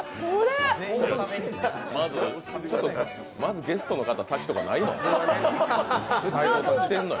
まずゲストの方先とかないの？